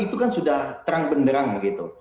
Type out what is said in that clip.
itu kan sudah terang benderang begitu